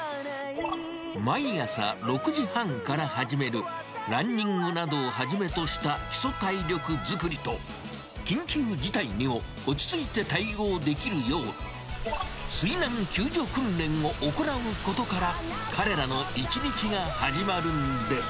毎朝６時半から始めるランニングなどをはじめとした基礎体力作りと、緊急事態にも落ち着いて対応できるよう、水難救助訓練を行うことから、彼らの一日が始まるんです。